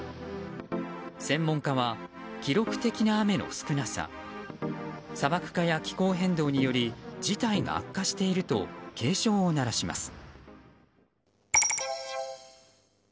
専門家は記録的な雨の少なさ砂漠化や気候変動により事態が悪化していると警鐘を鳴らします。